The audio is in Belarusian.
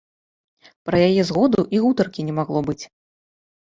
Пра яе згоду і гутаркі не магло быць.